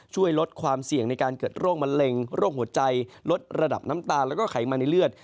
ช่วยลดความเสี่ยงในการเกิดโรคมะเร็งโรคหัวใจลดระดับน้ำตาลแล้วก็ไขมันในเลือด